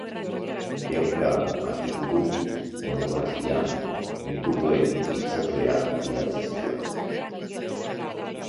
Ehunka artikulu, monografia, liburuen hitzaurreak idatzi zituen.